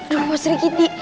duh pak srikiti